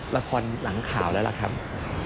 ละครหลังข่าวแล้วล่ะครับ